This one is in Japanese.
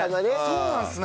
そうなんですね。